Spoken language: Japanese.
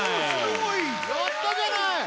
やったじゃない！